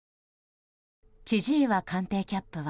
千々岩官邸キャップは。